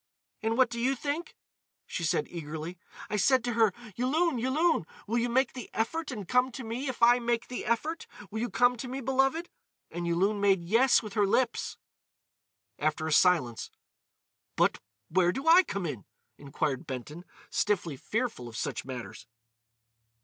"And what do you think!" she said eagerly. "I said to her, 'Yulun! Yulun! Will you make the effort and come to me if I make the effort? Will you come to me, beloved?' And Yulun made 'Yes,' with her lips." After a silence: "But—where do I come in?" inquired Benton, stiffly fearful of such matters.